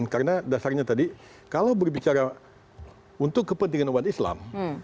karena dasarnya tadi kalau berbicara untuk kepentingan umat islam